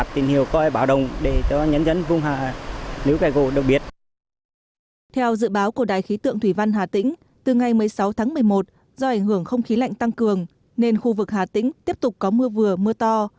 theo dự báo của đài khí tượng thủy văn hà tĩnh từ ngày một mươi sáu tháng một mươi một do ảnh hưởng không khí lạnh tăng cường nên khu vực hà tĩnh tiếp tục có mưa vừa mưa to